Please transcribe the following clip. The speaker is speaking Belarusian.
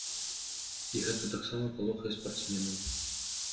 І гэта таксама палохае спартсменаў.